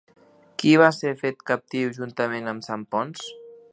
Qui va ser fet captiu juntament amb Sant Ponç?